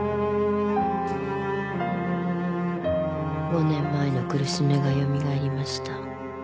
・５年前の苦しみが蘇りました。